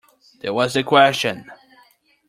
That was the question.